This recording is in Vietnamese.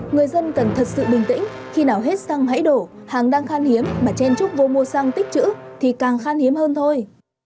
người dân cần thật sự bình tĩnh khi nào hết xăng hãy đổ hàng đang khan hiếm mà chen trúc vô mua xăng tích chữ thì càng khan hiếm hơn thôi